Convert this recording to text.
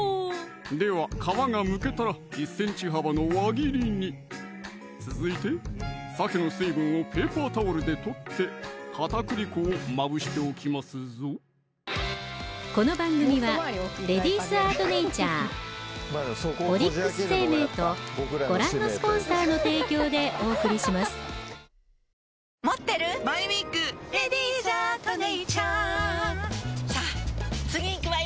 では皮がむけたら１ｃｍ幅の輪切りに続いてさけの水分をペーパータオルで取って片栗粉をまぶしておきますぞ番組のレシピ本第３弾ができました早いですね